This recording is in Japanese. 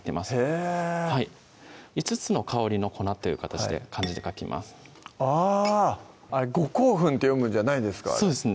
へぇ５つの香りの粉という形で漢字で書きますあ「ごこうふん」って読むんじゃないんですかあれそうです